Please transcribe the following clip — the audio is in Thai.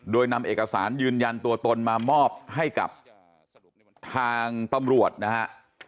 โดยนำเอกสารยืนยันตัวตนมามอบให้กับทางตำรวจนะฮะ